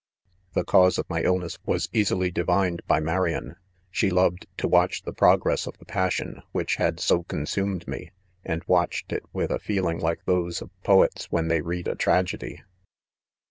' 6 The causae of my (illness was easily divin ed by Marian ; she loved to watch the progress of the passion ; which had so consumed me 3 and watched it with a feeling like those of po ets when they read a tragedy.